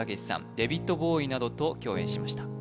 デヴィッド・ボウイなどと共演しました